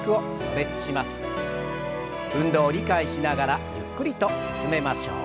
運動を理解しながらゆっくりと進めましょう。